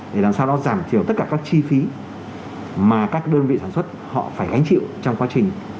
để làm sao đó giảm thiểu tất cả các chi phí mà các đơn vị sản xuất họ phải gánh chịu trong quá trình